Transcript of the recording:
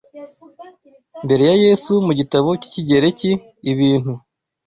mbere ya Yesu mu gitabo cyikigereki "Ibintu